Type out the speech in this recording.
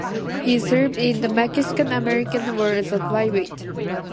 He served in the Mexican-American War as a private.